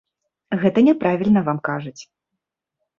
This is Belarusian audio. Гэта няправільна вам кажуць.